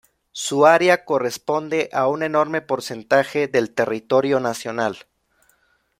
Su área corresponde a un enorme porcentaje del territorio nacional.